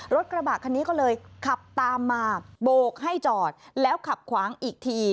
รถกระบะคันนี้ก็เลยขับตามมาโบกให้จอดแล้วขับขวางอีกที